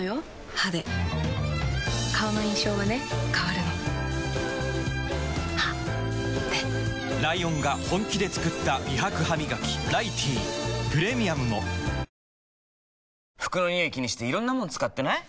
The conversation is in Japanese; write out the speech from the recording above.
歯で顔の印象はね変わるの歯でライオンが本気で作った美白ハミガキ「ライティー」プレミアムも服のニオイ気にしていろんなもの使ってない？